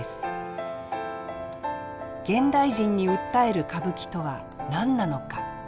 現代人に訴える歌舞伎とは何なのか。